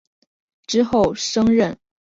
之后升任广东按察使。